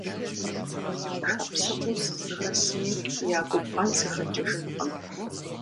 Шапсыгъыу сызыхэсми я губгъэн сыхэкӏыжынкъым.